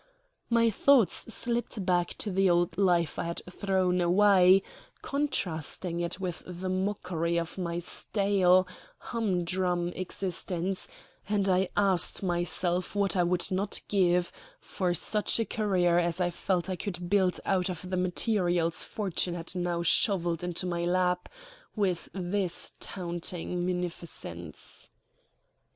My thoughts slipped back to the old life that I had thrown away, contrasting it with the mockery of my stale, humdrum existence, and I asked myself what I would not give for such a career as I felt I could build out of the materials Fortune had now shovelled into my lap with this taunting munificence.